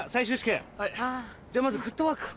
じゃあまずフットワーク。